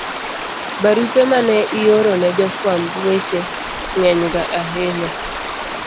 Barupe ma ne ioro ne jofwamb weche ng'enyga ahinya.